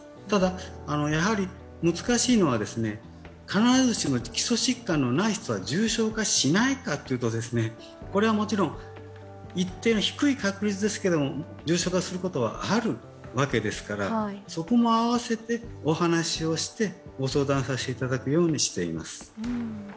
ただ、やはり難しいのは必ずしも基礎疾患のない人は重症化しないかというと、これはもちろん、一定の低い確率ですけれども、重症化することはあるわけですから、そこもあわせてお話をして、御相談させていただくようにしています。